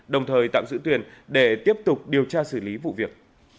đồng thời tạm giữ tuyền để tiếp tục điều tra xử lý vụ việc